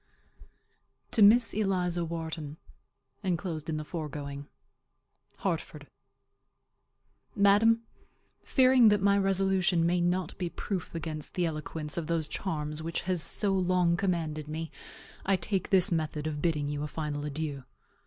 TO MISS ELIZA WHARTON. [Enclosed in the foregoing.] HARTFORD. Madam: Fearing that my resolution may not be proof against the eloquence of those charms which has so long commanded me, I take this method of bidding you a final adieu.